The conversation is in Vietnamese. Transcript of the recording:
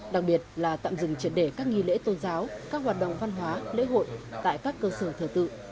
đặc biệt là tạm dừng triệt để các nghi lễ tôn giáo các hoạt động văn hóa lễ hội tại các cơ sở thờ tự